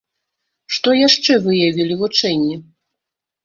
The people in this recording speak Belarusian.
Што яшчэ выявілі вучэнні?